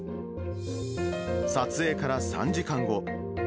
撮影から３時間後。